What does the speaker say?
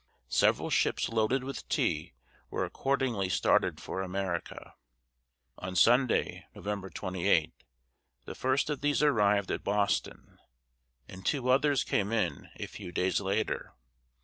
Several ships loaded with tea were accordingly started for America. On Sunday, November 28, the first of these arrived at Boston, and two others came in a few days later.